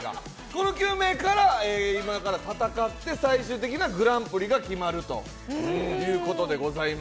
この９名から、今から戦って、最終的なグランプリが決まるということでございます。